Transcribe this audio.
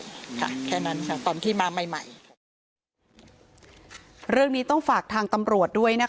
ค่ะแค่นั้นค่ะตอนที่มาใหม่ใหม่เรื่องนี้ต้องฝากทางตำรวจด้วยนะคะ